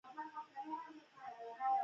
خپل درسونه ښه یاد کړو په پښتو ژبه.